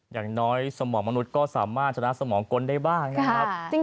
อย่างน้อยสมองมนุษย์ก็สามารถชนะสมองกลได้บ้างนะครับ